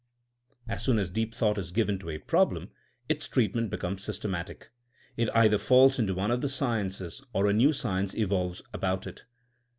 As soon as deep thought is given to a problem its treatment becomes systematic. It either falls into one of the sciences or a new science evolves about it.